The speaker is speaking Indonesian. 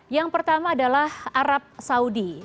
yang pertama adalah arab saudi